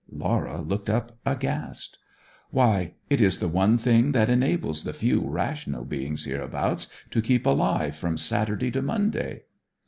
Laura looked up aghast. 'Why, it is the one thing that enables the few rational beings hereabouts to keep alive from Saturday to Monday!'